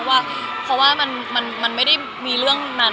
เพราะว่ามันไม่ได้มีเรื่องนั้น